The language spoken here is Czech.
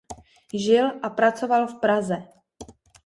Žil a pracoval v Praze.